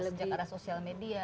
sejak era sosial media